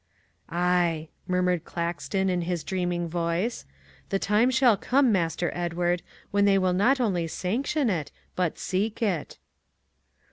"Aye," murmured Caxton in his dreaming voice, "the time shall come, Master Edward, when they will not only sanction it but seek it."